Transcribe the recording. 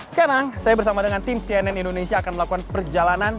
sekarang saya bersama dengan tim cnn indonesia akan melakukan perjalanan